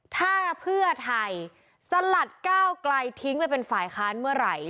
ถ้าเพื่อไทยสลัดก้าวไกลทิ้งไปเป็นฝ่ายค้านเมื่อไหร่